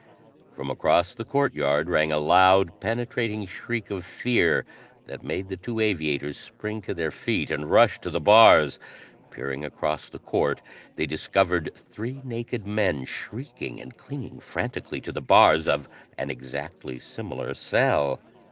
From across the courtyard rang a loud, penetrating shriek of fear that made the two aviators spring to their feet and rush to the bars. Peering across the court, they discovered three naked men shrieking and clinging frantically to the bars of an exactly similar cell.